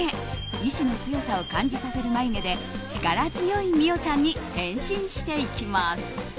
意思の強さを感じさせる眉毛で力強い美桜ちゃんに変身していきます。